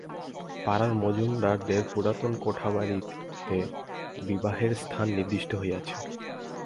পাড়ার মজুমদারদের পুরাতন কোঠাবাড়িতে বিবাহের স্থান নির্দিষ্ট হইয়াছে।